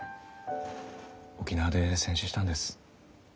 沖縄で戦死したんです。